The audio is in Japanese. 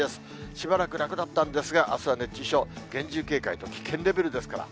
しばらく楽だったんですが、あすは熱中症、厳重警戒と危険レベルですから。